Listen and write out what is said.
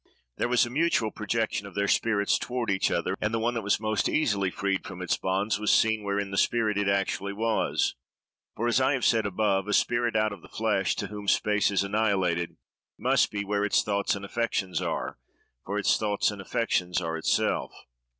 There was a mutual projection of their spirits toward each other; and the one that was most easily freed from its bonds, was seen where in the spirit it actually was; for, as I have said above, a spirit out of the flesh, to whom space is annihilated, must be where its thoughts and affections are, for its thoughts and affections are itself.